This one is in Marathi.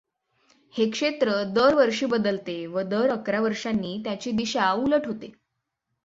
हे क्षेत्र दर वर्षी बदलते व दर अकरा वर्षांनी त्याची दिशा उलट होते.